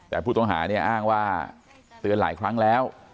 แต่ผู้ต้องหาเนี่ยอ้างว่าเตือนหลายครั้งแล้ว